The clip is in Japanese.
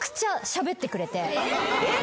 えっ？